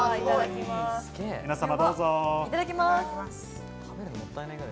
皆様どうぞ。